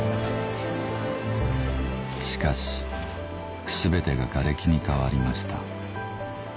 しかし全てががれきに変わりました